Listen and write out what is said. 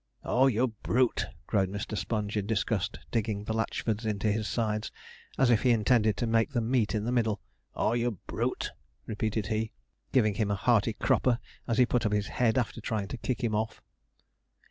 'Ah, ye brute!' groaned Mr. Sponge, in disgust, digging the Latchfords into his sides, as if he intended to make them meet in the middle. 'Ah, ye brute!' repeated he, giving him a hearty cropper as he put up his head after trying to kick him off.